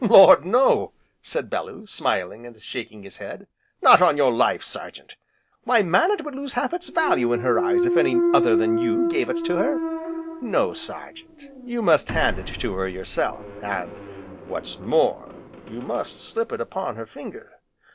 "Lord, no!" said Bellew, smiling and shaking his head, "not on your life, Sergeant! Why man it would lose half its value in her eyes if any other than you gave it to her. No Sergeant, you must hand it to her yourself, and, what's more, you must slip it upon her finger."